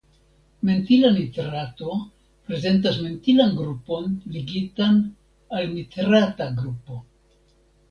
Mentila nitrato prezentas mentilan grupon ligitan al nitrata grupo.